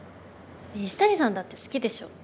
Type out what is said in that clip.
西谷さんだって好きでしょ？